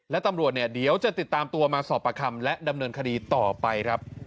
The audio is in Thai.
แล้วตำรวจจะติดตามตัวมาสอบประคัมและดำเนินคดีต่อไป